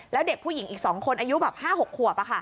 แล้วเด็กผู้หญิงอีก๒คนอายุแบบ๕๖ขวบ